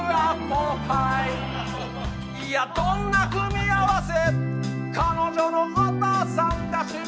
いや、どんな組み合わせ？